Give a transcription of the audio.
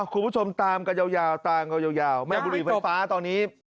คุณผู้ชมตามกันยาวตามกันยาวแม่บุหรี่ไฟฟ้าตอนนี้